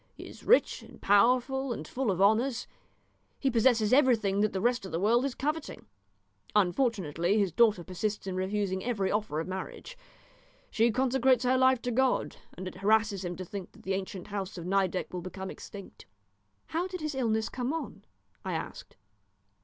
He is rich and powerful and full of honours. He possesses everything that the rest of the world is coveting. Unfortunately his daughter persists in refusing every offer of marriage. She consecrates her life to God, and it harasses him to think that the ancient house of Nideck will become extinct." "How did his illness come on?" I asked.